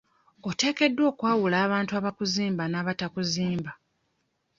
Oteekeddwa okwalu abantu abakuzimba n'abatakuzimba.